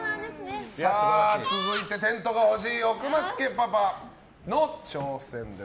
続いて、テントが欲しい奥松さんパパの挑戦です。